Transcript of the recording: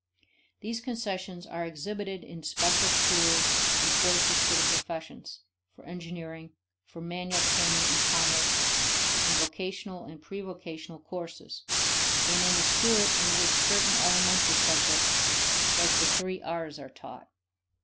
These concessions are exhibited in special schools and courses for the professions, for engineering, for manual training and commerce, in vocational and prevocational courses; and in the spirit in which certain elementary subjects, like the three R's, are taught.